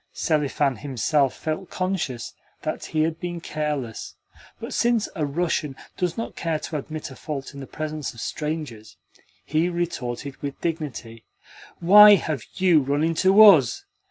Selifan himself felt conscious that he had been careless, but since a Russian does not care to admit a fault in the presence of strangers, he retorted with dignity: "Why have you run into US?